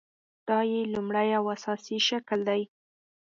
دا یې لومړۍ او اساسي شکل دی.